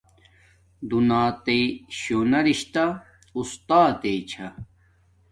دونیاتانا شونا رشتہ اُستاتݵ چھا